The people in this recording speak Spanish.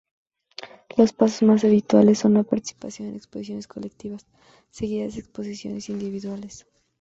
Los pasos más habituales son la participación en exposiciones colectivas seguidas de exposiciones individuales.